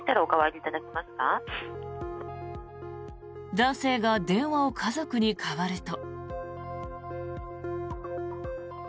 男性が電話を家族に代わると。